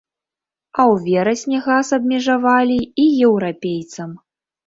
А ў верасні газ абмежавалі і еўрапейцам.